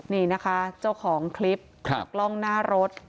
นี่นะคะเจ้าของคลิปกล้องหน้ารถ